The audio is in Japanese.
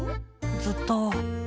ずっと。